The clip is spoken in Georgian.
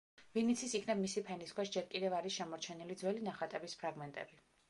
ვინ იცის, იქნებ მისი ფენის ქვეშ ჯერ კიდევ არის შემორჩენილი ძველი ნახატების ფრაგმენტები.